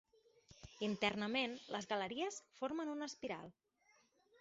Internament, les galeries formen una espiral.